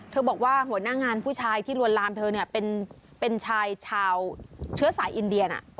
บอกว่าหัวหน้างานผู้ชายที่ลวนลามเธอเป็นชายชาวเชื้อสายอินเดียนะ